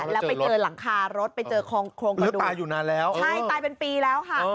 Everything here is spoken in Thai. แล้วไปเจอหลังคารถไปเจอควรคที่อยู่นานแล้วใช่ตายเป็นปีล้าคะ